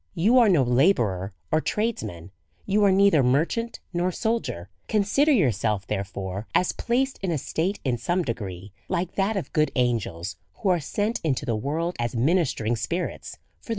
You are no labourer or tradesman, you are neither merchant nor soldier; consider yourself, therefore, as placed in a state, in some degree, like that of good angels, who are sent into the world as ministering spirits for the